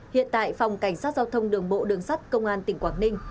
hiện tại phòng cảnh sát giao thông đường bộ đường sắt công an tỉnh quảng ninh